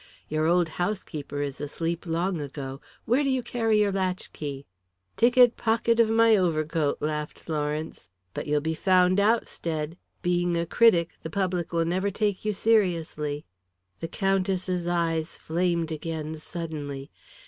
Your old housekeeper is asleep long ago. Where do you carry your latchkey?" "Ticket pocket of my overcoat," laughed Lawrence. "But you'll be found out, Stead. Being a critic, the public would never take you seriously." The Countess's eyes flamed again suddenly.